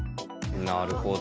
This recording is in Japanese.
なるほど。